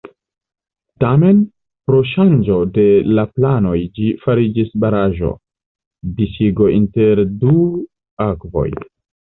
Tamen, pro ŝanĝo de la planoj ĝi fariĝis baraĵo: disigo inter du akvoj.